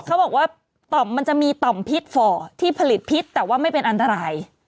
เขาบอกว่าต่อมมันจะมีต่อมพิษฝ่อที่ผลิตพิษแต่ว่าไม่เป็นอันตราย